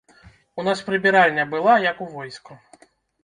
У нас прыбіральня была, як у войску.